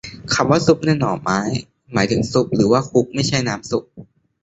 คำว่า ซุบ ในซุบหน่อไม้ หมายถึง ชุบ หรือ คลุก ไม่ใช่น้ำซุป